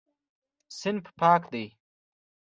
صنف پاک دی.